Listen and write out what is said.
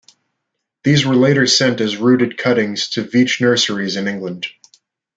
These were later sent as rooted cuttings to Veitch Nurseries in England.